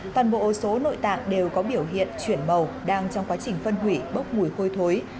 toàn bộ số nội tạng đều có biểu hiện chuyển màu đang trong quá trình phân hủy bốc mùi hôi thối